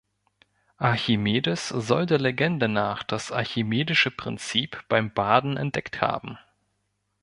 Archimedes soll der Legende nach das Archimedische Prinzip beim Baden entdeckt haben.